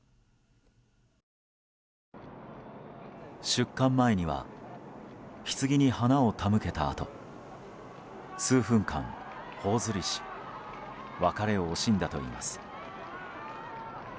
出棺前にはひつぎに花を手向けたあと数分間、頬ずりし別れを惜しんだといいます。